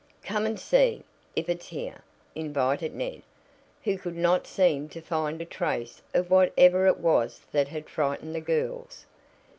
"Come and see if it's here now," invited Ned, who could not seem to find a trace of whatever it was that had frightened the girls.